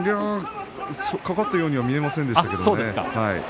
掛かったようにはなりませんでしたけどね。